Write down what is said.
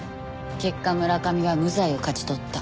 結果村上は無罪を勝ち取った。